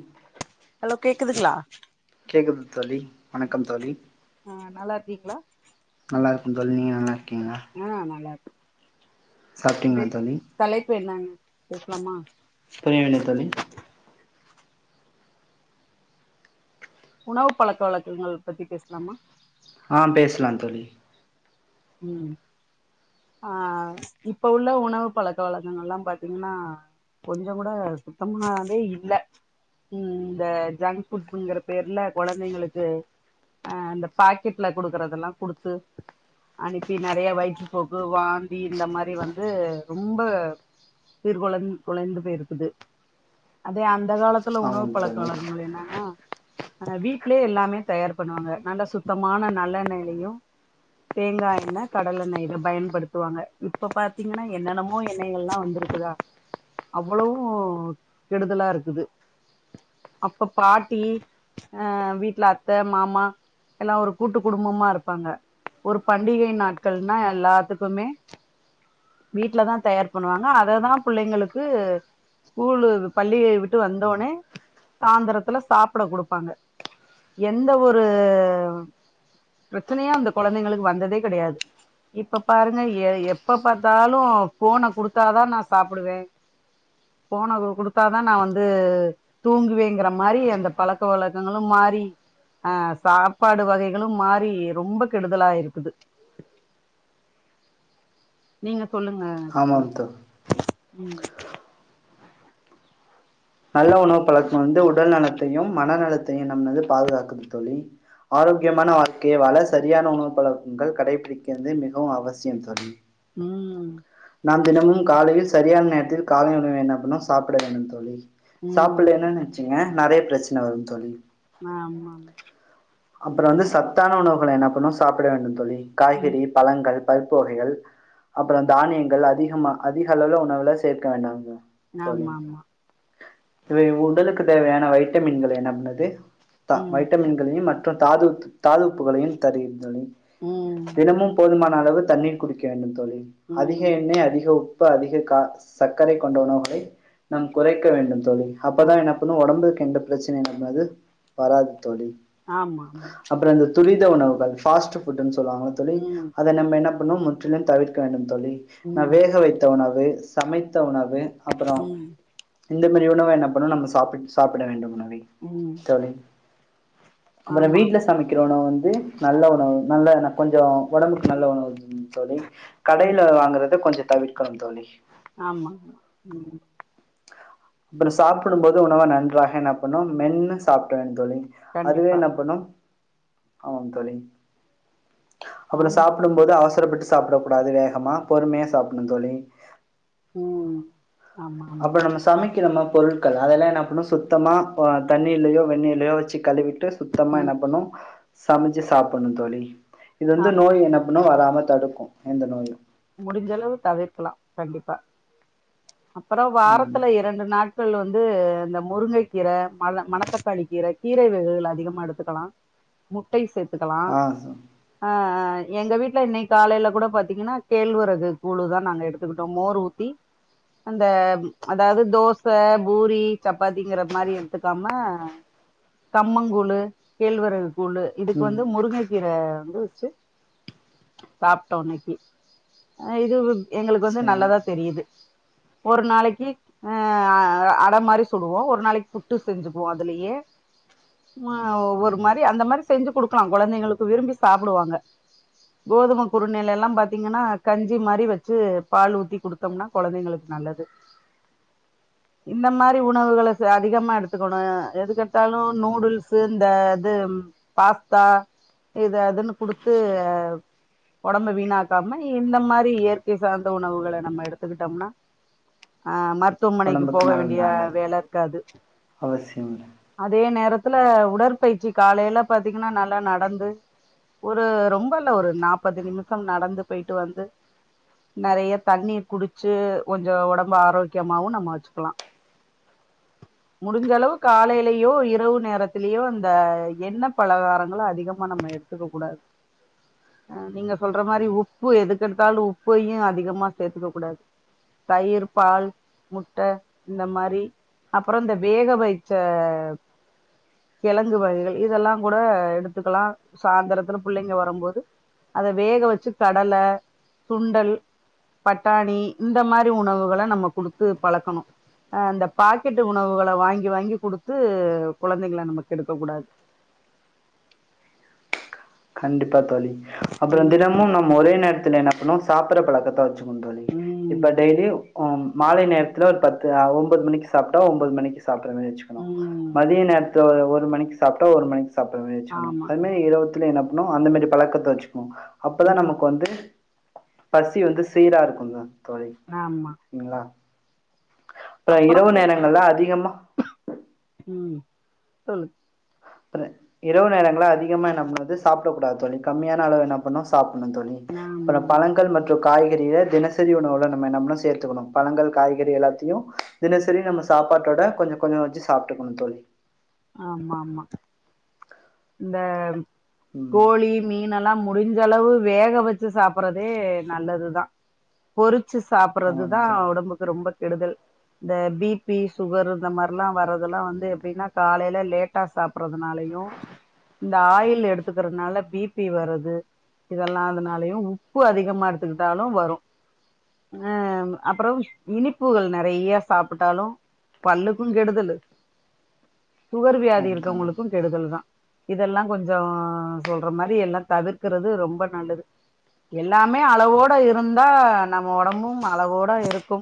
ம் ஹலோ கேக்குதுங்ளா கேக்குது தோழி வணக்கம் தோழி ம் நல்லா இருக்கீங்களா நல்லாயிருக்கும் தோழி நீங்க நல்லாயிருக்கீங்ளா ம் நல்லா இருக்க சாப்டிங்ளா தோழி தலைப்பு என்னனு கேக்லாமா புரியவில்லை தோழி உணவு பழக்க வழக்கங்கள் பத்தி பேசலாமா ஆ பேசலா தோழி ம் ஆ இப்ப உள்ள உணவு பழக்க வழக்கங்கள் ல்லா பாத்தீங்ன்னா கொஞ்சோ கூட சுத்தமாவே இல்ல இந்த ஜங்க் புட்ங்குற பேர்ல கொழந்தைங்களுக்கு ஆ அந்த பாக்கெட்ல குடுக்கறதெல்லா குடுத்து அனுப்பி நெறைய வயிற்று போக்கு வாந்தி இந்த மாரி வந்து ரொம்ப சீர் கொழந் கொழைந்து போயிருக்குது அதே அந்த காலத் உணவு ஆமாம் பழக்க தோழி வழகங்கள் என்னன்னா ஆ வீட்லேயே எல்லாமே தயார் பண்ணுவாங்க நல்ல சுத்தமான நல்லெண்ணெய்யைலயு தேங்கா எண்ணெ கடலை எண்ணெ இத பயன்படுத்துவாங்க இப்ப பாத்தீங்கன்னா என்னென்னமோ எண்ணெய் கெல்லா வந்திருக்குதா அவ்வளோவு கெடுதலா இருக்குது அப்ப பாட்டி அ வீட்ல அத்த மாமா எல்லா ஒரு கூட்டு குடும்பமா இருப்பாங்க ஒரு பண்டிகை நாட்கள்னா எல்லாத்துக்குமே வீட்லதா தயார் பண்ணுவாங்க அததா பிள்ளைங்களுக்கு ஸ்கூலு பள்ளியை விட்டு வந்தோனே சாந்தரத்துல சாப்புட குடுப்பாங்க எந்த ஒரு பிரச்சனையு அந்த கொழந்தைங்களுக்கு வந்ததே கெடையாது இப்ப பாருங்க எ எப்ப பாத்தாலு ஃபோன குடுத்தாதா நா சாப்புடுவே ஃபோன குடுத்தாதா நா வந்து தூங்குவேங்கிற மாரி அந்த பழக்க வழக்கங்களு மாறி ஆ சாப்பாடு வகைகளு மாறி ரொம்ப கெடுதலா இருக்குது நீங்க சொல்லுங்க ஆமாம் தோ ம் நல்ல உணவு பழக்க வந்து உடல் நலத்தையும் மனநலத்தையு நம்மள வந்து பாதுகாக்கும் தோழி ஆரோக்கியமான வாழ்க்கைய வாழ சரியான உணவு பழக்கங்கள் கடைபிடிக்கிறது மிகவு அவசியம் தோழி ம் நாம் தினமும் காலையில் சரியான நேரத்தில் காலை உணவை என்ன பண்ணு சாப்பிட வேணும் தோழி ம் சாப்பிட்லைனா வெச்சுங்களே நெறைய பிரச்சன வரும் தோழி ஆமாங்க அப்பற வந்து சத்தான உணவுகள என்ன பண்ணு சாப்பிட வேண்டும் தோழி ம் காய்கறி பழங்கள் பருப்பு வகைகள் அப்றோ தானியங்கள் அதிகமா அதிக அளவுல உணவுல சேர்க்க வேண்டுங்க தோழி ஆமா ஆமா இவை உடலுக்கு தேவையான வைட்டமின்களயா நம்மது த ம் வைட்டமின்களையும் மத் த்த தாது உப்பு தாது உப்புகளையும் தருகிறது தோழி ம் தினமும் போதுமான அளவு தண்ணீர் குடிக்க வேண்டும் தோழி அதிக ம் எண்ணெய் அதிக உப் பு அதிக க சர்க்கரை கொண்ட உணவுகளை நாம் குறைக்க வேண்டும் தோழி ஆ அப்பதா என்ன ஆமா பண்ணு ஒடம்புக்கு எந்த பிரச்சனை நம்மது வராது தோழி ஆமாம்மா அப்பற இந்த துரித உணவுகள் ஃபாஸ்ட்டு புட்டுன் சொல்லுவாங்கள ஆமா தோழி ம் அத நம்ம என்ன பண்ணு முற்றிலும் தவிர்க்க வேண்டும் தோழி நா ம் வேக வைத்த உணவு சமைத்த உணவு அப்பற ம் இந்த மாரி உணவ என்ன பண்ணு நம்ம சாப்பி சாப்பிட வேண்டும் உணவை ம் தோழி அப்பற ஆமா வீட்ல சமைக்கிற உணவு வந்து நல்ல உணவு நல்ல ஏனா கொஞ்ச ஒடம்புக்கு நல்ல உணவு தோழி ம் கடையில வாங்கறத கொஞ்ச தவிர்க்கணும் தோழி ஆமாம்மா ம் அப்பற சாப்பிடும்போது உணவ நன்றாக என்ன பண்ணு மென்னு சாப்பிடணு தோழி அதுவே கண்டிப்பா என்ன பண்ணு ஆம் தோழி அப்பற ஆமா சாப்பிட போது அவசரப்பட்டு சாப்பிடக்கூடாது வேகமா பொறுமையா சாப்பிட்ணு தோழி ம் ம் அப்ப நம்ம ஸ் சமைக்கிறமா பொருட்கள் அதெல்லா என்ன பண்ணு சுத்தமா அ தண்ணிலயோ வெண்ணீர்லயோ வெச்சு கழுவிட்டு சுத்தமா என்ன ம் பண்ணு சமைச்சு சாப்பிட்ணு தோழி இது வந்து ஆமா நோய் என்னப் ஒன்னு வராம தடுக்கு எந்த நோயு முடிஞ்சளவு தவிர்க்கலா கண்டிப்பா அப்பற ம் வாரத்துல இரண்டு நாட் கள் வந்து இந்த முருங்கக் கீர மல மணத்தக்காளி கீர கீரை வகைகள் அதிகமா எடுத்துக்கலா முட்டை சேத்துக்கலா ஆ அ அ எங்க வீட்ல இன்னைக்கு காலைல கூட பாத்தீங்கனா கேழ்வெரகு கூழு தா நாங்க எடுத்துக்கிட்டோ மோர் ஊத்தி அந்த அதாவ்து தோச பூரி சப்பாத்திங்கிற மாரி எடுத்துக்காம கம்மங்கூழு கேழ்வெரகு கூழு இதுக்கு ம் வந்து முருங்கக் கீர வந்து வெச்சு சாப்ட்டோ இன்னைக்கு அ இது எங்ளுக்கு வந்து சரி நல்லதா தெரியுது ஒரு நாளைக்கு அ அட மாரி சுடுவோ ஒரு நாளைக்கு புட்டு செஞ்சுக்குவோ அதுலயே அ ஒரு மாரி அந்த மாதிரி செஞ்சு குடுக்லா குழந்தைங்களுக்கு விரும்பி சாப்டுவாங்க கோதும குறுனைலெல்லா பாத் ப்த்திங்ன்னா கஞ்சி மாரி வச்சு பால் ஊத்தி குடுத்தோம்னா கோழந்தைங்ளுக்கு நல்லது இந்த மாரி உணவுகள அதிகமா எடுத்துக்கணும் எதுகெடுத்தாலு நூடுல்ஸ் இந்த இது பாஸ்தா இது அதுன்னு குடுத்து ஒடம்ப வீணா காம இந்த மாரி இயற்கை சார்ந்த உணவுகள நம்ம எடுத்துக்கிட்டோம்னா அ ம ருத்துவமனைக்கு போக உடம்புக்கு நல்லது வேண்டிய நல்லது வேல இருக்காது அவசியம் இல்லை அதே நேரத்துல உடற்பயிற்சி காலைல பாத்திங்ன்னா நல்லா நடந்து ஒரு ரொம்பல்ல ஒரு நாப்பது நிமிஷம் நடந்து பொய்ட்டு வந்து நறய தண்ணீர் குடிச்சு கொஞ்சோ ஒடம்பு ஆரோக்கியமாவு நம்ம வச்சுக்லா முடிஞ்சளவு காலைலியோ இரவு நேரத்திலியோ இந்த எண்ணெ பலகாரங்கள் அதிகமா நம்ம எடு துக்க கூடாது நீங்க சொல்ற மாரி உப் பு எதுக்கெடுத்தாலு உப்பையு அதிகமா சேத்துக்க கூடாது தயிர் பால் முட்ட இந்த மாரி அப்றோ இந்த வேகவைச்ச கெழங்கு வகைகள் இதெல்லா கூட எடுத்துக்கலா சாய்ந்தரத்துல புள்ளைங்க வரம்போது அத வேக வச்சு கடல சுண்டல் பட்டாணி இந்த மாரி உணவுகள நம்ம குடுத்து பழக்கணு அ அந்த பாக்கெட் உணவுகள வாங்கி வாங்கி குடுத்து கொழந்தைங்ள நம்ம கெடுக்க கூடாது கண்டிப்பா தோழி அப்றோ ம் தினமும் ஒரே நேரத்துல என்ன பண்ணுவே சாப்புற்ற பழக்கத்த [unintelligible] தோழி ம் இப்ப டெய்லியு மாலை நேரத்துல ஒரு பத்து ஒன்பது மணிக்கு சாப்ட்டா ஒன்பது மணிக்கு சாப்புட்ற மாரி வச்சுக் ம் மதிய நேரத்துல ஒரு ஒரு மணிக்கு சாப்ட்டா ஒரு மணிக்கு சாப்ட மாரி வச்சக்கணு ஆமா அது ஆமா மாரி இரவு துல என்னா பண்ணு அந்த மாரி பழக்கத்த வச்சுக்னு அப்பதா ம் நமக்கு வந்து பசி வந்து சீரா இருக்குதா தோழி ஆமா சிங்ளா அப்றோ கூறப்பட்டு அதிகமா ம் சொல்லு இரவு நேரங்கள அதிகமா என்ன பண்றது சாப்டக்கூடாது தோழி கம்மியான அளவு என்ன பண்ணு சாப்புட்ணு தோழி ஆமா அப்றோ ஆமா பழங்கள் மற்றும் காய்கறிய தினசரி உணவுல நம்ம என்னா பண்ணணு சேர்த்துக்கணு பழங்கள் காய்கறி எல்லாத்தையு தினசரி நம்ம சாப்பாட்டோட கொஞ்சோ கொஞ்சோ வச்சு சாப்ட்டுக்கணு தோழி ஆமா ஆமா இந்த ம் கோழி மீன்னெல்லா முடிஞ்ச அளவு வேக வச்சு சாப்பற்றதே நல்லதுதா பொறிச்சு ஆமாம் சாப்பட்றதுதா தோழி ஒடம்புக்கு ரொம்ப கெடுதல் இந்த பி பி சுகர் இந்த மாரிலா வர்றதுல்லா வந்து எப்டின்னா காலையில லேட்டா சாப்புட்றதுனாலையு இந்த ஆயில் எடுத்துக்கிறதுனால பி பி வருது இதெல்லா அதுனாலயு உப்பு அதிகமா எடுத்துக்கிட்டாலு வரு அஅப்றோ இனிப்புகள் நறய சாப்ட்டாலு பல்லுக்கு கெடுதலு சுகர் வியாதி ஆமாம் தோழி இருக்குறவங்களுக்கு கெடுதலு தா இதெலா கொஞ்சோ சொல்ற மாரி எல்லா தவிர்க்கறது ரொம்ப நல்லது எல்லாமே அளவோட இருந்தா நம்ம ஒடம்பு அளவோட இருக்கு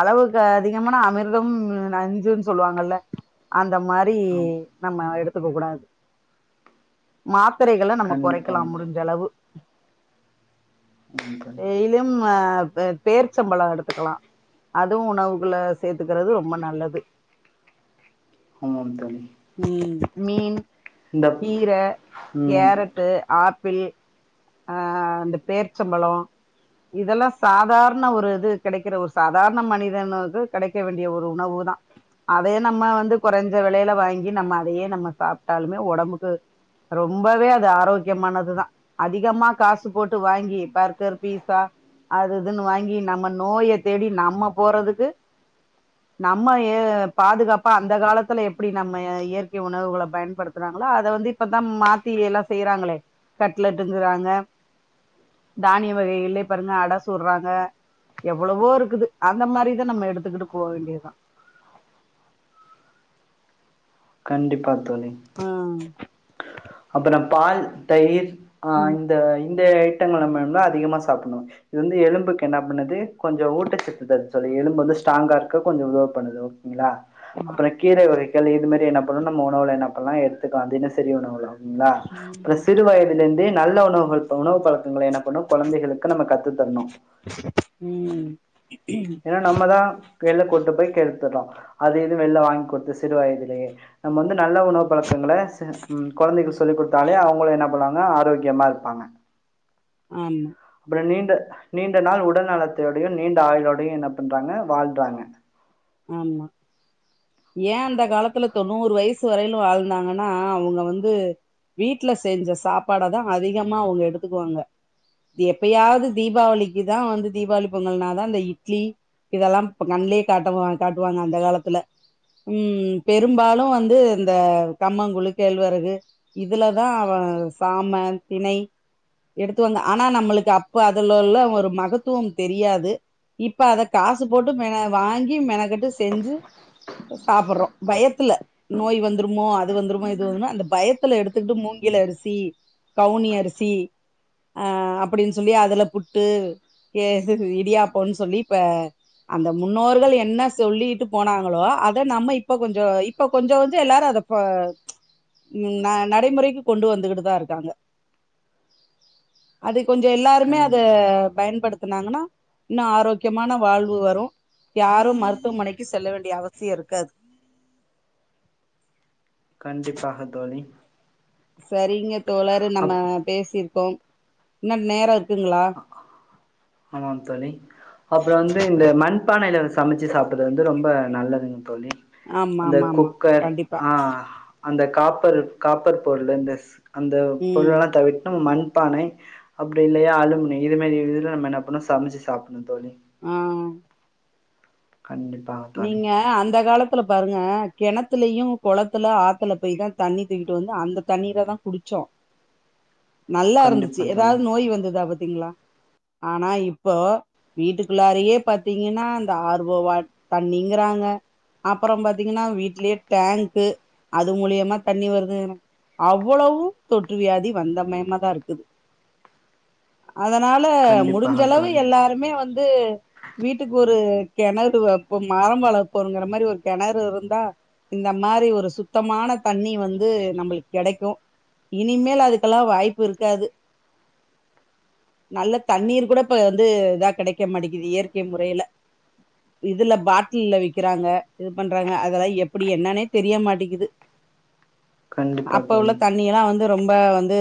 அளவுக்கு அதிகமான அமிர்தமும் நஞ்சன்னு சொல்லுவாங்கல்ல அந்த மாரி வி ஆம் நம்ம எடுத்துக்க கூடாது மாத்தரைகள நம்ம கண்டிப்பா குறைக்கலா முடிஞ்ச அளவு ஆமாம் தோழி டெய்லியும் பேர்ச்சம்பழம் எடுத்துக்கலா அதுவு உணவுக்குள்ள சேத்துக்கிறது ரொம்ப நல்லது ஆமாம் தோழி ம் மீன் இந்த கீர ம் கேரட்டு ஆப்பிள் அ அந்த பேரிச்சம்பழோ இதெல்லா சாதாரண ஒரு இது கிடைக்கிற ஒரு சாதாரண மனிதனுக்கு கெடைக்க வேண்டிய ஒரு உணவு தா அதையே நம்ம வந்து கொறைஞ்ச வெலையில வாங்கி நம்ம அதையே நம்ம சாப்ட்டாலுமே ஒடம்புக்கு ரொம்பவே அது ஆரோக்கியமானதுதா அதிகமா காசு போட்டு வாங்கி பர்கர் பீட்சா அது இதுன்னு வாங்கி நம்ம நோய தேடி நம்ம போறதுக்கு நம்ம ஏ பாதுகாப்பா அந்த காலத்துல எப்டி நம்ம இயற்கை உணவுகள பயன் படுத்துறாங்களா அத வந்து இப்பதா மாத்தி எல்லா செய்றாங்களே கட்லட்டுங்குறாங்க தானிய வகைகள்லே பாருங்க அட சுட்ராங்க எவ்வளவோ இருக்குது அந்த மாரித நம்ம எடுத்துக்கிட்டு போ வேண்டியதா கண்டிப்பா தோழி அ அப்பறோ பால் தயிர் அ ம், இந்த இந்த ஐட்டங்கள நம்ம அதிகமா சாப்படணு இது வந்து எலும்புக்கு என்ன பண்ணுது கொஞ்சோ ஊட்டச்சத்து தருது சொல்லி எலும்பு ஸ்ட்ராங்கா இருக்க கொஞ்சோ உதவி பண்ணுது ங்களா ஆமா. அப்பற கீரை வகைகள் இது மாரியான அப்பறம் நம்ம உணவுல என்ன பண்ணலா எடுத்துக்கலா தினசரி உணவுலா [unintelligible] ம், சிறு வயதுலருந்தே நல்ல உணவு ஒருத்த உணவு பழக்கங்கள என்ன பண்ணு கொழந்தைகளுக்கு நம்ம கத்து தரணு ம் ம் ஏன்னா நம்ம தா [unintelligible] கூட்டு போய் கெடுத்துட்டோ அது இதுவு வெளில வாங்கி குடுத்து சிறு வயதிலேயே நம்ம வந்து நல்ல உணவு பழக்கங்கள ச ம் கொழந்தைகள் சொல்லிக் குடுத்தாலே அவங்கள என்னப் பண்ணுவாங்க ஆரோக்கியமா இருப்பாங்க ஆமா அப்பற நீண்ட நீண்ட நாள் உடல் நலத்தோடையு நீண்ட ஆயுளோடையு என்ன பண்றாங்க வாழ்றாங்க ஆமா ஏன் அந்த காலத்துல தொண்ணூறு வயசு வரையிலு வாழ்ந்தாங்கன்னா அவங்க வந்து வீட்டு்ல செஞ்ச சாப்பாட தா அதிகமா அவங்க எடுத்துக்குவாங்க எப்பயாவது தீபாவளிக்குதா வந்து தீபாவளி பொங்கல்னாதா இந்த இட்லி இதெல்லா இப் கண்லேயே காட்டமா காட்டுவாங்க அந்த காலத்துல ம் பெரும்பாலு வந்து இந்த கம்மங்கூழு கேழ்வரகு இதுலதா அவ சாம திணை எடுத்து வந்த ஆனா நம்மளுக்கு அப்ப அதுலள்ள ஒரு மகத்துவம் தெரியாது இப்ப அத காசு போட்டு மே வாங்கி மெனக்கட்டு செஞ்சு சாப்றோ பயத்துல நோய் வந்துருமோ அது வந்துருமோ இது வந்துருமோ அந்த பயத்துல எடுத்துக்கிட்டு மூங்கிலரிசி கவுனியரிசி ஆ அப்டின்னு சொல்லி அதுல புட்டு ஏ இடியாப்பம் சொல்லி இப்ப அந்த முன்னோர்கள் என்ன சொல்லிட்டு போனாங்களோ அத நம்ம இப்ப கொஞ்சோ இப்ப கொஞ்ச கொஞ்ச எல்லாரு அத ஆ இப்போ ம் ந நடைமுறைக்கு கொண்டு வந்துகிட்டு தான் இருக்காங்க அது கொஞ்சோ எல்லாருமே கண் அத பயன்படுத் துனாங்கனா இன்னு ஆரோக்கியமான வாழ்வு வரு யாரு மருத் துவ மனைக்கு செல்ல வேண்டிய அவசியம் இருக்காது கண்டிப்பாக தோழி சரிங்க தோழர் நம்ம அப் பேசிருக்கோம் இன்ன நேர இருக்குங்ளா ஆமாம் தோழி அது வந்து இந்த மண்பானையில சமைச்சு சாப்பிறது வந்து ரொம்ப நல்லதுங்கா தோழி ஆமா அந்த ஆமா ஆமா குக்கர் கண்டிப்பா ஆ அந்த காப்பர் காப்பர் பொருள் இந்த அந்த ம் பொருளேலா தவிட்னு மண்பானை அப்டி இல்லையா ஆலுமினி இது மாரி இதுல நம்ம என்ன பண்ணோ சமைச்சு சாப்பிணு தோழி ஆமா கண்டிபா நீங்க அந்த காலத் த்துல பாருங்க கிணத்துலயு குளத்துல ஆத்துல போய் தா தண்ணி தூக்கிட்டு வந்து அந்த தண்ணீர தா குடிச்சோ நல்லாருந்துச்சு கண்டிப்பா ஏதாது தோழி நோய் வந்துதா பாத் திங்களா ஆனா இப்போ வீட்டுக்குள்ளாரே பாத்தீங்கன்னா இந்த ஆர்வோ வாட் தண்ணிங்கிறாங்க அப்றம் பாத்தீங்கன்னா வீட்லேயே டேங்க்கு அது மூலியமா தண்ணி வருது அவ்வளவு தொற்று வியாதி வந்தமயமாதா இருக்கு அதனால கண்டிப்பாக முடிஞ்சளவு தோழி எல்லாரு க்குமே வந்து வீட்டுக்கு ஒரு கிணறு வெப் போம் மரம் வளக்க போருங்கிற மாறி ஒரு கிணறு இருந்தா இந்த மாறி ஒரு சுத்தமான தண்ணி வந்து நம்மளுக்கு கிடைக்கு இனிமேல் அதுக்கெல்லா வாய்ப்பு இருக்காது நல்ல தண்ணீர் கூட இப்ப வந்து இதா கெடைக்க மாட்டேங்குது இயற்கை முறையில இதுல பாட்டில்ல விக்கிறாங்க இது பண்றாங்க அதெல்லா எப்டி என்னன்னே தெரிய மாட்டேங்குது கண்டிப்பா அப்ப உள்ள தோழி தண்ணி எல்லா வந்து ரொம்ப வந்து